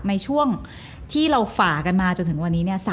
ในช่วงที่เราฝ่ากันมาจนถึงวันนี้เนี่ย